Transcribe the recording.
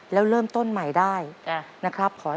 แล้วเริ่มต้นใหม่ได้นะครับ